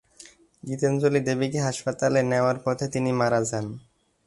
গীতাঞ্জলি দেবীকে হাসপাতালে নেওয়ার পথে তিনি মারা যান।